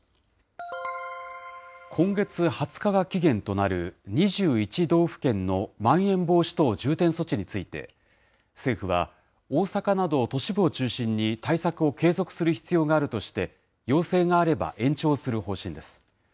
今月２０日が期限となる、２１道府県のまん延防止等重点措置について、政府は大阪など都市部を中心に対策を継続する必要があるとして、要請があれば、延長する方針です。